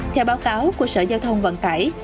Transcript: theo báo cáo của sở giao thông vận tải